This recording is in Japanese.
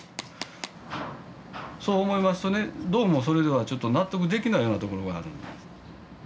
そう思いますとねどうもそれではちょっと納得できないようなところがあるんです。